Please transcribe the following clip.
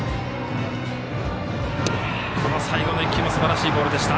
この最後の１球もすばらしいボールでした。